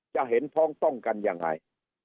จะเห็นพ้องต้องกันยังไง